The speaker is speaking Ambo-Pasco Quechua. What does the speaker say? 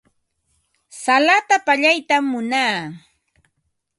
Salata pallaytam munaa.